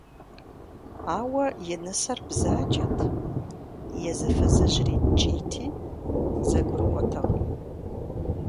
Ауэ и нысэр бзаджэт, езы фызыжьри ткӏийти зэгурыӏуэтэкъым.